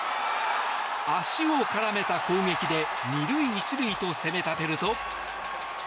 足を絡めた攻撃で２塁１塁と攻め立てると。